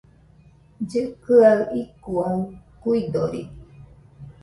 Llɨkɨaɨ icuaɨ kuidori